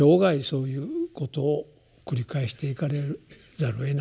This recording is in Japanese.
そういうことを繰り返していかざるをえない。